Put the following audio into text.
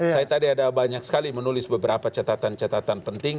saya tadi ada banyak sekali menulis beberapa catatan catatan penting